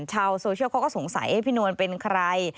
ชาวโซเชียลเขาก็สงสัยพี่นวลเป็นใคร